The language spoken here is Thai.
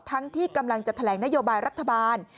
ที่กำลังจะแถลงนโยบายรัฐบาล